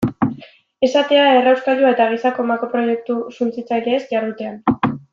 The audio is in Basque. Esatea errauskailua eta gisako makroproiektu suntsitzaileez jardutean.